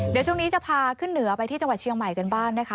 เดี๋ยวช่วงนี้จะพาขึ้นเหนือไปที่จังหวัดเชียงใหม่กันบ้างนะคะ